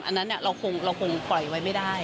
อันนั้นเราคงปล่อยไว้ไม่ได้